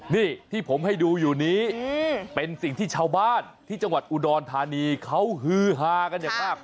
นี่ที่ผมให้ดูอยู่นี้เป็นสิ่งที่ชาวบ้านที่จังหวัดอุดรธานีเขาฮือฮากันอย่างมาก